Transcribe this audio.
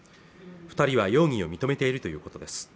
二人は容疑を認めているということです